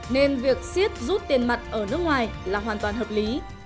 nên việc siết rút tiền mặt ở nước ngoài là hoàn toàn hợp lý